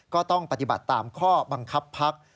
ก็ต้องปฏิบัติตามข้อบังคับพัก